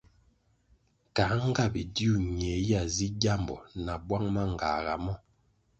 Kā nga bidiu ñie ya zih gyambo na bwang mangāga mo?